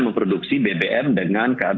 memproduksi bbm dengan